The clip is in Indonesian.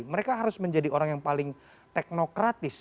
mereka harus menjadi orang yang paling teknokratis